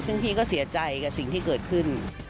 ซึ่งพี่ก็เสียใจกับสิ่งที่เกิดขึ้น